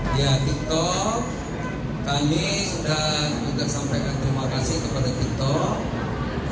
kami juga sampaikan terima kasih kepada tiktok